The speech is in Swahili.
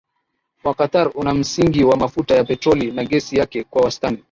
wa Qatar una msingi wa mafuta ya petroli na gesi yake Kwa wastani